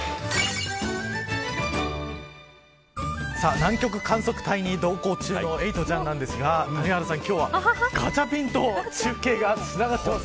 南極観測隊に同行中のエイトちゃんなんですが谷原さん、今日はガチャピンと中継がつながっています。